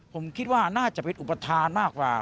ผมคิดว่าน่าจะเป็นอุปทานมากกว่า